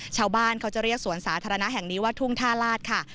ชาวบ้านเขาจะเรียกสวนสาธารณะแห่งนี้ว่าทุ่งท่าลาศค่ะ